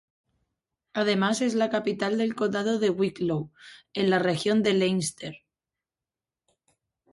Además es la capital del Condado de Wicklow, en la región de Leinster.